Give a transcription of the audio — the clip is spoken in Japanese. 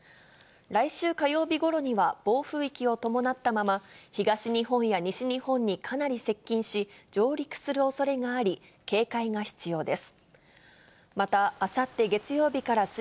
来週火曜日ごろには、暴風域を伴ったまま、東日本や西日本にかなり接近し、上陸するおそれがあり、警戒が必要です。